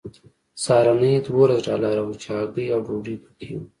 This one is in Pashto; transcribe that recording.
سهارنۍ دولس ډالره وه چې هګۍ او ډوډۍ پکې وه